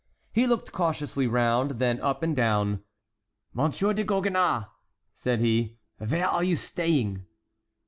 He looked cautiously round, then up and down. "Monsir de Gogonnas," said he, "vere are you staying?"